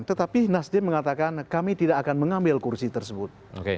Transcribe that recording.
tetapi nasdem mengatakan kami tidak akan mengambil kursi tersebut